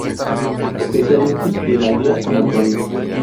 Especialmente de la Aldea San Antonio.